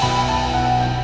terima kasih banyak ya pak